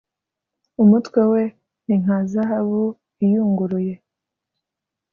Umutwe we ni nka zahabu iyunguruye,